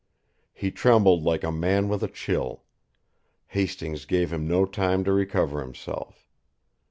He trembled like a man with a chill. Hastings gave him no time to recover himself.